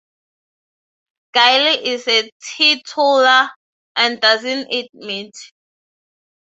Gayle is a teetotaller and doesn't eat meat.